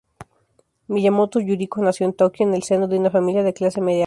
Miyamoto Yuriko nació en Tokio, en el seno de una familia de clase media-alta.